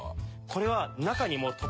これは。